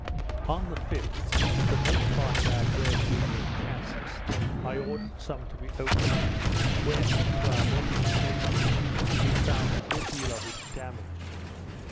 On the 5th, the most part of our bread being in casks, I ordered some to be opened, when, to our mortification, we found a good deal of it damaged.